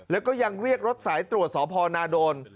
แล้วก็ยังเรียกรถสายตรวจสพนาโดน